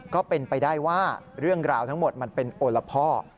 ก็เป็นไปได้ว่าเรื่องราวทั้งหมดมันเป็นโอละพ่อ